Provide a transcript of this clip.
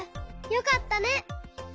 よかったね。